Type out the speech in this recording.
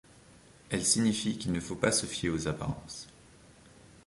Elle signifie qu'il ne faut pas se fier aux apparences.